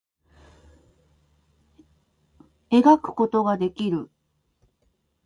絵描くことができる